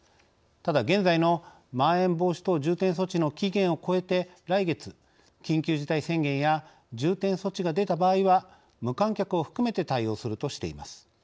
ただ、現在のまん延防止等重点措置の期限を越えて来月、緊急事態宣言や重点措置が出た場合は無観客を含めて対応するとしています。